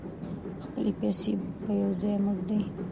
خپلې پیسې په یو ځای مه ږدئ.